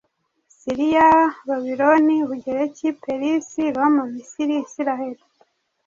Siriya, Babiloni, Ubugereki, Perisi, Roma, Misiri, Isiraheli, ….